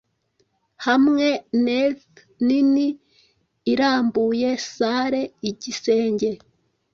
hamwe neath nini-irambuye salle-igisenge